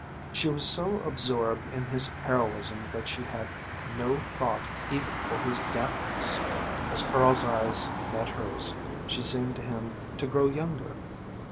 She was so absorbed in his heroism that she had no thought even for his dampness. As Carl's eyes met hers she seemed to him to grow younger.